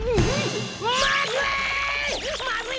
まずい！